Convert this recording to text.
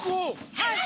はい！